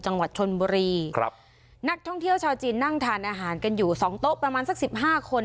จังหวัดชนบุรีครับนักท่องเที่ยวชาวจีนนั่งทานอาหารกันอยู่สองโต๊ะประมาณสักสิบห้าคน